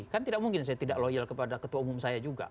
kan tidak mungkin saya tidak loyal kepada ketua umum saya juga